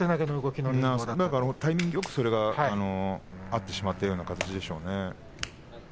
タイミングよくそれが合ってしまったという感じでしょうね。